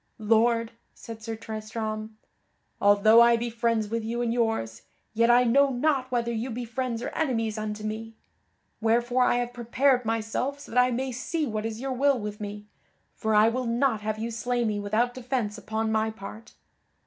"Lord," said Sir Tristram, "although I be friends with you and yours, yet I know not whether you be friends or enemies unto me; wherefore I have prepared myself so that I may see what is your will with me, for I will not have you slay me without defence upon my part."